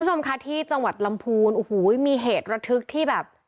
คุณผู้ชมค่ะที่จังหวัดลำพูนโอ้โหมีเหตุระทึกที่แบบ